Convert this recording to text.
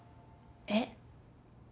えっ？